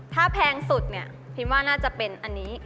ถ้าแพงสุดเนี่ยพิมว่าน่าจะเป็นอันนี้